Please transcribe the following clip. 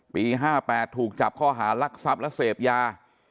ปี๕๘ถูกจับข้อหารักทรัพย์และเสพยา